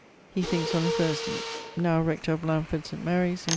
he thinkes on a Thursday. Now rector of Blandford St Mary's in com.